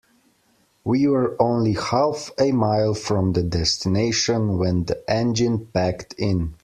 We were only half a mile from the destination when the engine packed in.